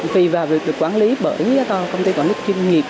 vì việc được quản lý bởi công ty quản lý chuyên nghiệp